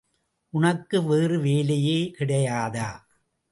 உனக்கு வேறு வேலையே கிடையாதா?